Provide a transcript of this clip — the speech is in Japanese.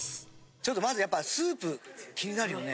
ちょっとまずやっぱスープ気になるよね。